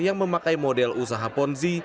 yang memakai model usaha ponzi